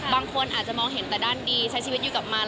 บางคนอาจจะมองเห็นแต่ด้านดีใช้ชีวิตอยู่กับมัน